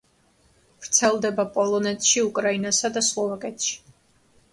ვრცელდება პოლონეთში, უკრაინასა და სლოვაკეთში.